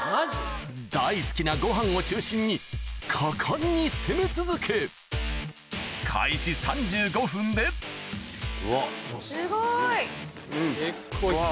大好きなご飯を中心に果敢に攻め続けすごい！